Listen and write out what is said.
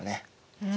うん。